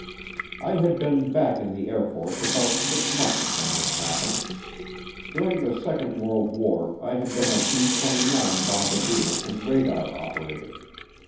I had been back in the Air Force about six months when this happened. During the second world war I had been a B 29 bombardier and radar operator.